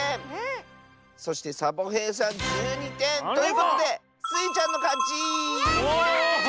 そしてサボへいさん１２てん。ということでスイちゃんのかち！やった！